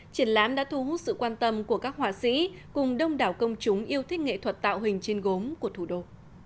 triển lãm đã thu hút sự quan tâm của các họa sĩ cùng đông đảo công chúng yêu thích nghệ thuật tạo hình trên gốm của thủ đô